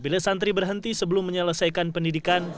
bila santri berhenti sebelum menyelesaikan pendidikan